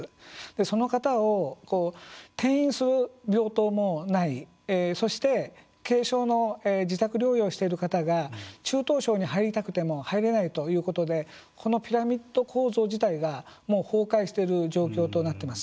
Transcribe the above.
その方を転院する病棟もないそして軽症の自宅療養をしている方が中等症に入りたくても入れないということでこのピラミッド構造自体がもう崩壊している状況になっています。